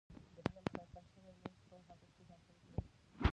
دریم صیقل شوی میخ په هغه کې داخل کړئ.